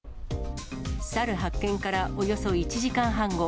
サル発見からおよそ１時間半後。